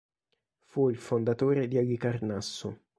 Fu il fondatore di Alicarnasso.